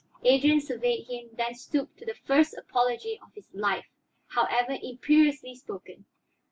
Adrian surveyed him, then stooped to the first apology of his life, however imperiously spoken.